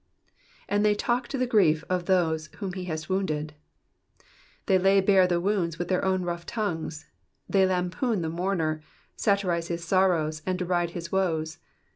"And they talk to ths grief of those whom thou hast wounded,'*'* They lay bare his wounds with their rough tongues. They lampoon the mourner, satirise his sorrows, and deride his woes.